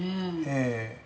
ええ。